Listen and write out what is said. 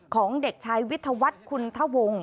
ของเด็กชายวิทยาวัฒน์คุณทะวง